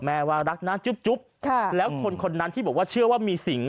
แม่ว่ารักนั้นจุ๊บแล้วคนนั้นที่บอกว่าเชื่อว่ามีสิ่ง